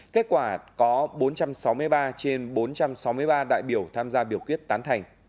kết quả có bốn trăm sáu mươi ba trên bốn trăm sáu mươi ba đại biểu tham gia biểu quyết tán thành